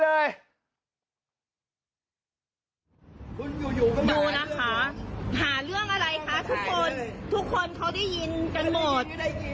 คุณอยู่ก็ดูนะคะหาเรื่องอะไรคะทุกคนทุกคนเขาได้ยินกันหมด